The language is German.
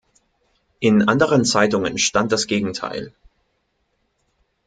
In anderen Zeitungen stand das Gegenteil.